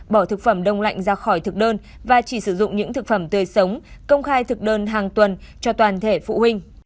bỏ thực phẩm đông lạnh ra khỏi thực đơn và chỉ sử dụng những thực phẩm tươi sống công khai thực đơn hàng tuần cho toàn thể phụ huynh